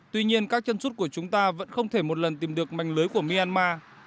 tuy nhiên các chân sút của chúng ta vẫn không thể một lần tìm được mảnh lưới của myanmar